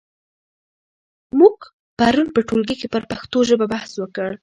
موږ پرون په ټولګي کې پر پښتو ژبه بحث وکړ.